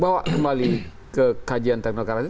bawa kembali ke kajian teknologi